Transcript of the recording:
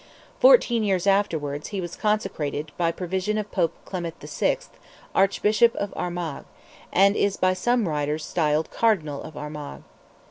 Fourteen years afterwards he was consecrated, by provision of Pope Clement VI., Archbishop of Armagh, and is by some writers styled "Cardinal of Armagh."